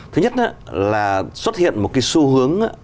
thứ nhất là xuất hiện một cái xu hướng